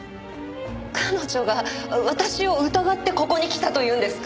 彼女が私を疑ってここに来たというんですか？